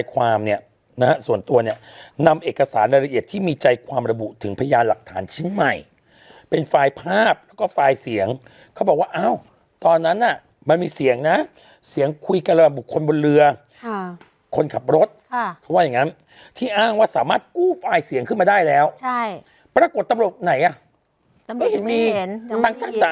ควัยเสียงเขาบอกว่าเอาตอนนั้นน่ะมันมีเสียงนะเสียงคุยกันแล้วบุคคลบนเรือคนขับรถที่อ้างว่าสามารถฟายเสียงขึ้นมาได้แล้วใช่ปรากฏตำรวจไหนอ่ะ